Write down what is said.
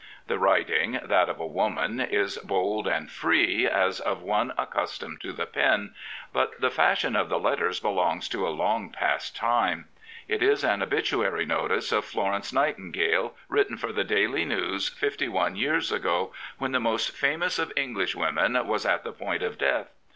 The writing, that of a woman, is bold and free, as of one accustomed to the pen; but the fashion of the letters belongs to a Iong>past time. It is an obituary notice of Florence Nightingale, written for the Daily News fifty one years ago, when the most famous of Englishwomen was at the point of death.